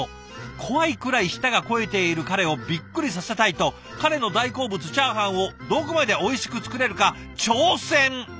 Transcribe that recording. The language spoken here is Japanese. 怖いくらい舌が肥えている彼をびっくりさせたいと彼の大好物チャーハンをどこまでおいしく作れるか挑戦。